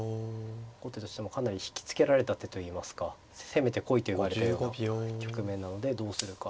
後手としてもかなり引き付けられた手といいますか攻めてこいと言われたような局面なのでどうするか。